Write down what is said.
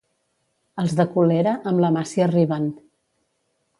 Els de Colera, amb la mà s'hi arriben.